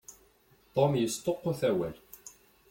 Tom yesṭuqut awal.